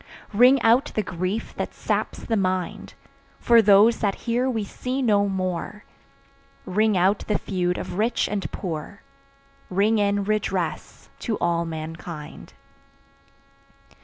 Ring out the grief that saps the mind, For those that here we see no more, Ring out the feud of rich and poor, Ring in redress to all mankind.